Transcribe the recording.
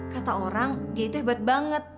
kata orang dia itu hebat banget